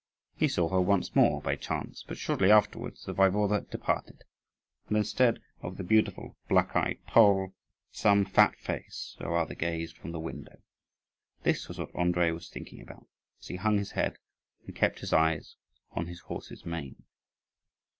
He saw her once more, by chance; but shortly afterwards the Waiwode departed, and, instead of the beautiful black eyed Pole, some fat face or other gazed from the window. This was what Andrii was thinking about, as he hung his head and kept his eyes on his horse's mane.